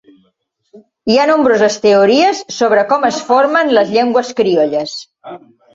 Hi ha nombroses teories sobre com es formen les llengües criolles.